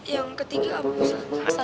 yang ketiga pak bukhus